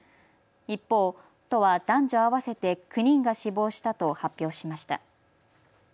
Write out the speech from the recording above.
一方、都は男女合わせて９人が死亡したと発表しました。